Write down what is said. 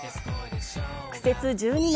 苦節１２年